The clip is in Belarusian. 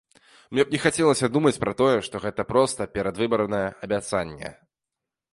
Мне б не хацелася думаць пра тое, што гэта проста перадвыбарнае абяцанне.